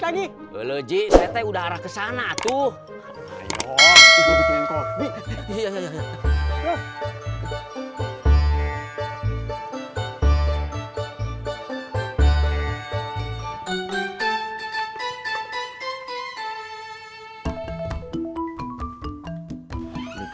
mamat lagi betoy setek udara kesana tuh nih hoi